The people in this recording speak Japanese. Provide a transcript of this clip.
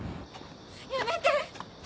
やめて！